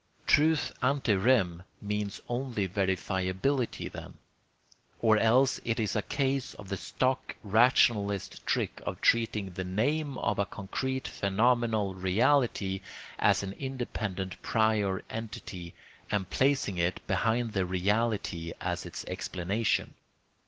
Truth ante rem means only verifiability, then; or else it is a case of the stock rationalist trick of treating the NAME of a concrete phenomenal reality as an independent prior entity, and placing it behind the reality as its explanation.